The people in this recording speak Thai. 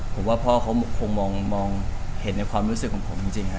ผมว่าพ่อเขาคงมองเห็นในความรู้สึกของผมจริงครับ